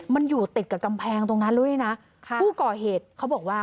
มันอยู่ติดกับกำแพงตรงนั้นแล้วด้วยนะค่ะผู้ก่อเหตุเขาบอกว่า